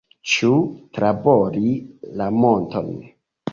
Ĉu trabori la monton?